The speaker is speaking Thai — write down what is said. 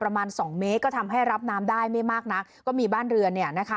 ประมาณสองเมตรก็ทำให้รับน้ำได้ไม่มากนักก็มีบ้านเรือนเนี่ยนะคะ